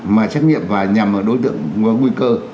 mà xét nghiệm và nhằm vào đối tượng có nguy cơ